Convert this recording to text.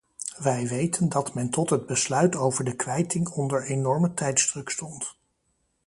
Wij weten dat men tot het besluit over de kwijting onder enorme tijdsdruk stond.